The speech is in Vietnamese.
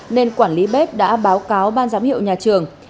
nên quản lý bếp đã báo cáo ban giám hiệu nhà trường